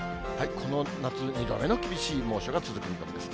この夏、２度目の厳しい猛暑が続く見込みです。